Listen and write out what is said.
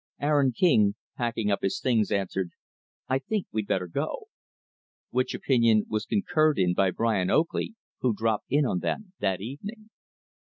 Aaron King, packing up his things, answered, "I think we'd better go." Which opinion was concurred in by Brian Oakley who dropped in on them that evening.